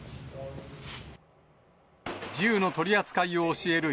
銃の取り扱いを教える